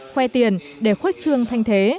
khoe tiền để khuếch trương thanh thế